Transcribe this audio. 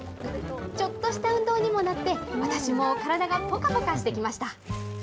ちょっとした運動にもなって、私も体がぽかぽかしてきました。